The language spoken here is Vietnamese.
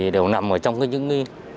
đều nằm trong những